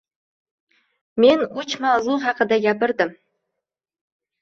Men uch mavzu haqida gapirdim.